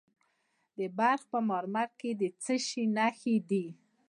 د بلخ په مارمل کې د څه شي نښې دي؟